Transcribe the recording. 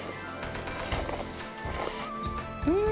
うん！